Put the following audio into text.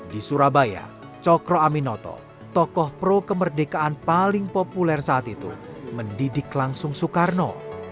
di surabaya cokro aminoto tokoh pro kemerdekaan paling populer saat itu mendidik langsung soekarno